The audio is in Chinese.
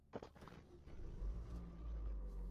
有必要到现场检查以澄清正确的机制。